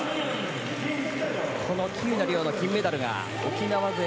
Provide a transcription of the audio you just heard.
この喜友名諒の金メダルが沖縄勢